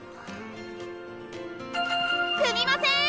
すみません！